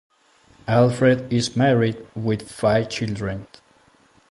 Alfred is married with five children.